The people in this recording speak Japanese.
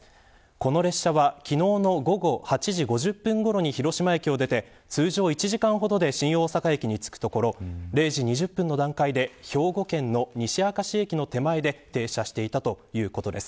この列車は昨日の午後８時５０分ごろに広島駅を出て、通常１時間ほどで新大阪駅につくところ０時２０分の段階で兵庫県の西明石駅の手前で停車していたということです。